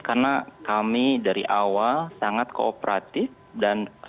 karena kami dari awal sangat kooperatif dan sangat